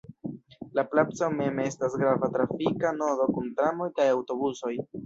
La placo mem estas grava trafika nodo kun tramoj kaj aŭtobusoj.